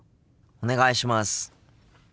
お願いします。